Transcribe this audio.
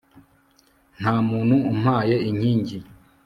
Nta muntu umpaye inkingi